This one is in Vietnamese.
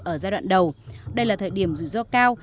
ở giai đoạn đầu đây là thời điểm rủi ro cao